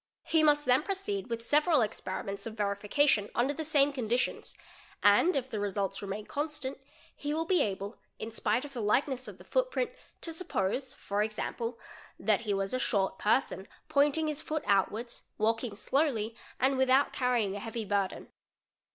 He must then proceed with several experiment: of verification under the same conditions, and if the results remain con stant, he will be able, in spite of the likeness of the footprint, to suppose for example that he was "a short person, pointing his foot outwards walking slowly, and without carrying a heavy burden'.